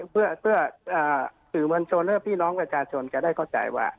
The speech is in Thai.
เพื่อสื่อมวลชนและพี่น้องประชาชนจะได้เข้าใจว่า